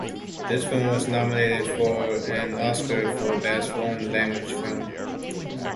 This film was nominated for an Oscar for Best Foreign Language Film.